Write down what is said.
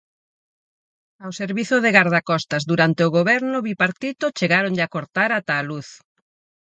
Ao Servizo de Gardacostas durante o Goberno bipartito chegáronlle a cortar ata a luz.